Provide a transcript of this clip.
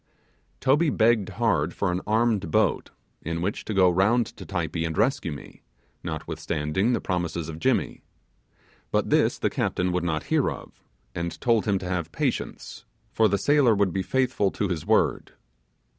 Toby begged hard for an armed boat, in which to go round to Typee and rescue me, notwithstanding the promises of Jimmy. But this the captain would not hear of, and told him to have patience, for the sailor would be faithful to his word.